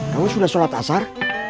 kamu sudah sholat asar